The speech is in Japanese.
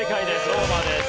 ローマです。